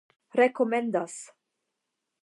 rekomendas